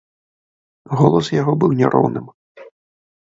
Голас яго быў няроўным.